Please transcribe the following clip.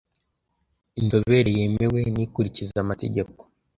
inzobere yemewe nikurikiza amategeko